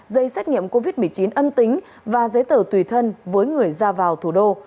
dây xét nghiệm covid một mươi chín âm tính và giấy tờ tùy thân với người ra vào thủ đô